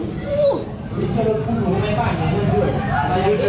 โอ้โหทุกคนกลับมาเห็นอะไร